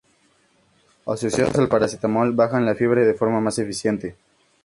Asociados al paracetamol bajan la fiebre de forma más eficiente.